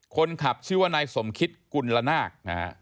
คนขับชื่อว่าในสมคิดกุญลนาค